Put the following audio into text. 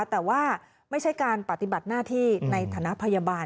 แต่ว่าไม่ใช่การปฏิบัติหน้าที่ในฐานะพยาบาล